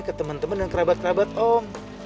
ke temen temen dan kerabat kerabat om